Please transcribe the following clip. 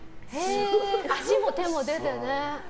足も手も出てね。